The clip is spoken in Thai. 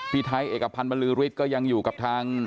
พี่ไทท์เอกพันธ์มะลื้อรุ้ดก็ยังอยู่กับทาง